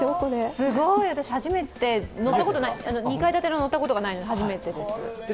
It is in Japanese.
すごい、私、２階建てのに乗ったことないので初めてです。